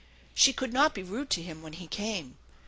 She could not be rude to him. when he came.